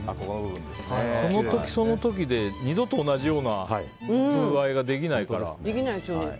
その時その時で二度と同じような風合いができないから。